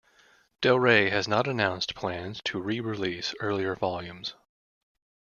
Del Rey has not announced plans to re-release earlier volumes.